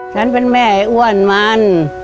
ฉันเป็นแม่ไอ้อ้วนมัน